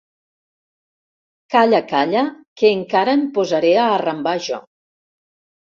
Calla, calla, que encara em posaré a arrambar jo.